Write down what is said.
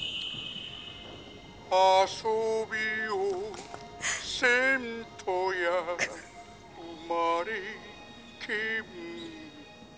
「あそびをせんとやうまれけむ」